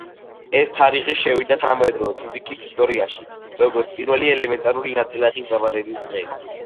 ეს თარიღი შევიდა თანამედროვე ფიზიკის ისტორიაში როგორც პირველი ელემენტარული ნაწილაკის დაბადების დღე.